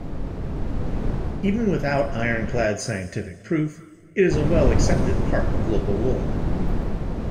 Even without ironclad scientific proof, it is a well-accepted part of local lore.